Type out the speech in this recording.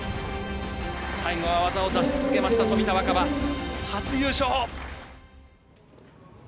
最後は技を出し続けました冨田若春、初優勝！